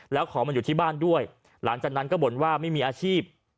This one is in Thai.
แล้วขอมาอยู่ที่บ้านด้วยหลังจากนั้นก็บ่นว่าไม่มีอาชีพ